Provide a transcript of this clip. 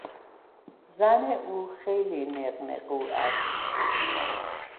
زن او خیلی نق نقو است.